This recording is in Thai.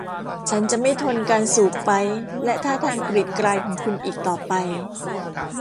ฉันจะไม่ทนการสูบไปป์และท่าทางกรีดกรายของคุณอีกต่อไป